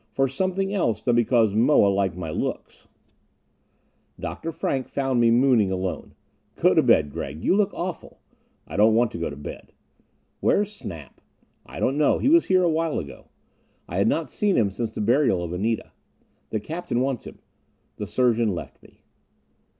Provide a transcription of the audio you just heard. For something else than because Moa liked my looks.... Dr. Frank found me mooning alone. "Go to bed, Gregg! You look awful." "I don't want to go to bed." "Where's Snap?" "I don't know. He was here a while ago." I had not seen him since the burial of Anita. "The captain wants him." The surgeon left me.